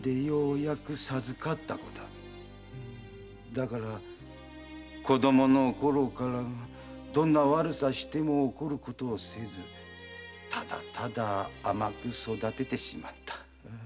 だから子供のころからどんな悪さをしても怒ることをせずただただ甘く育ててしまった。